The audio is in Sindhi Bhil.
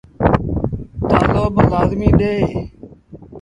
تآلو با لآزميٚ ڏئيٚ۔